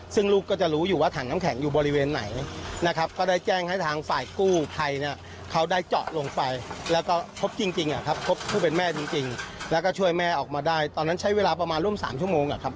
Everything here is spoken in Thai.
ซึ่งลูกก็จะรู้อยู่ว่าถังน้ำแข็งอยู่บริเวณไหนนะครับก็ได้แจ้งให้ทางฝ่ายกู้ภัยเนี่ยเขาได้เจาะลงไปแล้วก็พบจริงอะครับพบผู้เป็นแม่จริงแล้วก็ช่วยแม่ออกมาได้ตอนนั้นใช้เวลาประมาณร่วม๓ชั่วโมงอะครับ